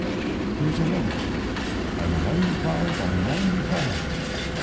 Here's another :' I'm ninety five ! I'm ninety five!'